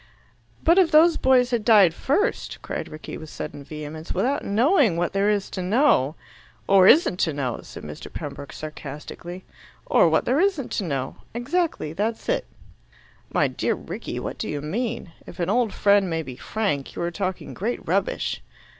"But if those boys had died first," cried Rickie with sudden vehemence, "without knowing what there is to know " "Or isn't to know!" said Mr. Pembroke sarcastically. "Or what there isn't to know. Exactly. That's it." "My dear Rickie, what do you mean? If an old friend may be frank, you are talking great rubbish."